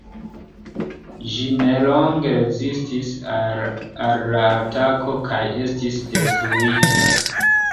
Ĝi nelonge rezistis al la atako kaj estis detruita.